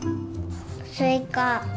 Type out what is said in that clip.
スイカ。